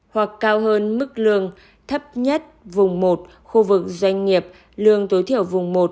hoặc cao hơn mức lương thấp nhất vùng một khu vực doanh nghiệp lương tối thiểu vùng một